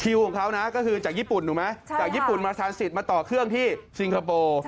คิวของเขาก็คือจากญี่ปุ่นถูกไหมจากญี่ปุ่นมาต่อเครื่องที่ซิงคโปร์